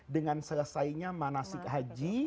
dengan selesainya manasik haji